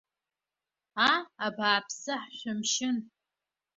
Аа абааԥсы, ҳшәымшьын!